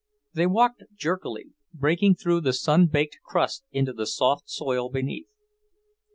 They walked jerkily, breaking through the sun baked crust into the soft soil beneath.